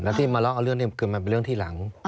แล้วที่มาเล่าเอาเรื่องนี้คือมันเป็นเรื่องที่หลัง